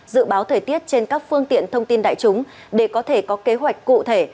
dự báo thời tiết trên các phương tiện thông tin đại chúng để có thể có kế hoạch cụ thể